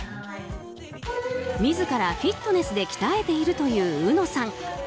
自らフィットネスで鍛えているという、うのさん。